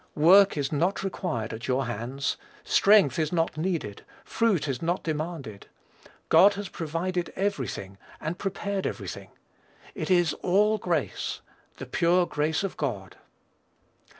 Work is not required at your hands; strength is not needed; fruit is not demanded. God has provided every thing, and prepared every thing. It is all grace, the pure grace of God.